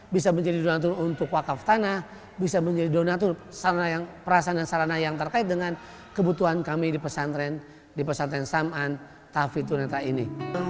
bisa menjadi donatur untuk wakaf tanah bisa menjadi donatur perasaan dan sarana yang terkait dengan kebutuhan kami di pesantren saman tahfiz tunanetra ini